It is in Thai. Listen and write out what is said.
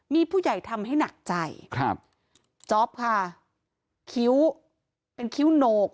มีผู้ใหญ่ทำให้หนักใจครับจ๊อปค่ะคิ้วเป็นคิ้วโหนก